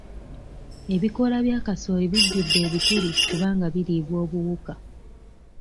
Ebikoola bya kasooli bijjudde ebituli kubanga biriibwa obuwuka.